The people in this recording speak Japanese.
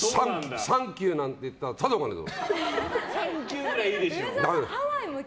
サンキューなんて言ったらただじゃおかねえぞ！